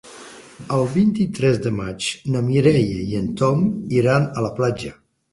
El vint-i-tres de maig na Mireia i en Tom iran a la platja.